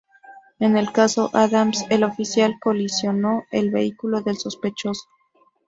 En el caso "Adams", el oficial colisionó el vehículo del sospechoso.